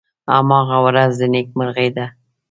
هماغه ورځ د نیکمرغۍ ده .